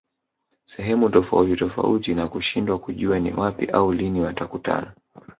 sehemu tofauti tofauti na kushindwa kujua ni wapi au lini watakutana